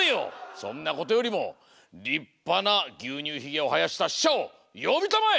そんなことよりもりっぱなぎゅうにゅうヒゲをはやしたししゃをよびたまえ！